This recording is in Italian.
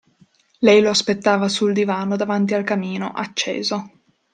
Lei lo aspettava sul divano davanti al camino, acceso.